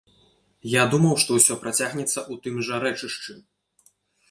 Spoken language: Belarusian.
Я думаў, што ўсё працягнецца ў тым жа рэчышчы.